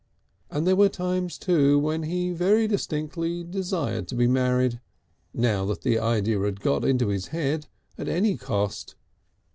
And there were times too when he very distinctly desired to be married, now that the idea had got into his head, at any cost.